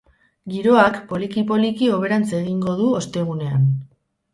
Giroak poliki-poliki hoberantz egingo du ostegunean.